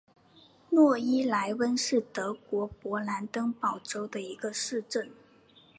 诺伊莱温是德国勃兰登堡州的一个市镇。